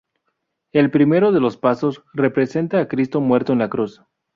El primero de los pasos representa a Cristo muerto en la cruz.